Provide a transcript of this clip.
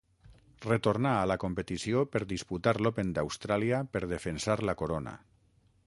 Retornà a la competició per disputar l'Open d'Austràlia per defensar la corona.